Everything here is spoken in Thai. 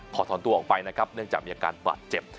ขอถอนตัวออกไปนะครับเนื่องจากมีอาการบาดเจ็บ